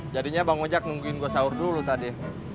jadinya bang ojek nungguin gue sahur dulu tadi